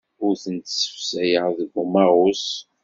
Ur ten-ssefsayeɣ deg umaɣus.